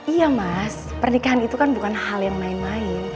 iya mas pernikahan itu kan bukan hal yang main main